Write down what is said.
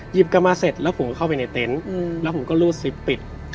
กลับมาเสร็จแล้วผมก็เข้าไปในเต็นต์แล้วผมก็รูดซิปปิด